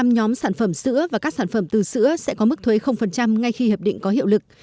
tám mươi nhóm sản phẩm sữa và các sản phẩm từ sữa sẽ có mức thuế ngay khi hiệp định có hiệu lực